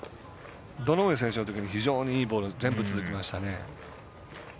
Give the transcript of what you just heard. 堂上選手のときに非常にいいボール全部続きましたね。